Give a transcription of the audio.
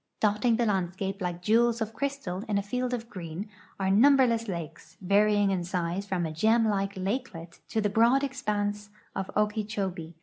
Dotting the landscape like jewels of crystal in a field of green are num berless lakes, varying in size from a gem like lakelet to the broad expanse of Okeechobee.